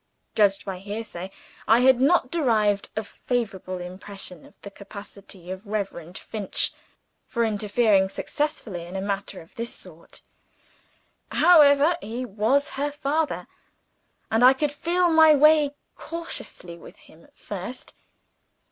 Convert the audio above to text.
Judging by hearsay, I had not derived a favorable impression of the capacity of Reverend Finch for interfering successfully in a matter of this sort. However, he was her father; and I could feel my way cautiously with him at first.